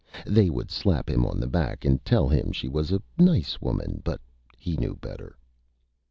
They would slap him on the Back and tell him she was a Nice Woman; but he knew better.